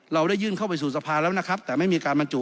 เราได้ยื่นเข้าไปสู่สภาแล้วนะครับแต่ไม่มีการบรรจุ